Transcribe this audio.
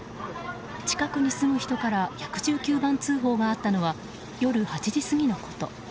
近くに住む人から１１９番通報があったのは夜８時過ぎのこと。